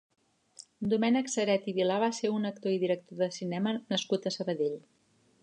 Domènec Ceret i Vilà va ser un actor i director de cinema nascut a Sabadell.